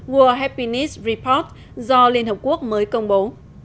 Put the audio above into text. world happinis report do liên hợp quốc mới công bố